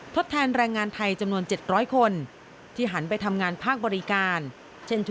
ทดแทนแรงงานไทยจำนวน๗๐๐คน